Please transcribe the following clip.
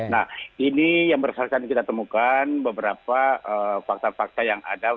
nah ini yang berdasarkan kita temukan beberapa fakta fakta yang ada